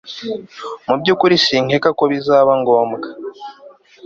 mubyukuri sinkeka ko bizaba ngombwa